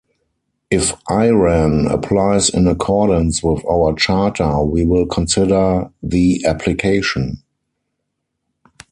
If Iran applies in accordance with our charter, we will consider the application.